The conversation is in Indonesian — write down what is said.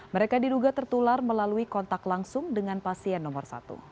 mereka diduga tertular melalui kontak langsung dengan pasien nomor satu